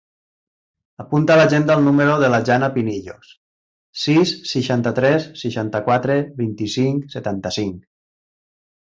Apunta a l'agenda el número de la Jana Pinillos: sis, seixanta-tres, seixanta-quatre, vint-i-cinc, setanta-cinc.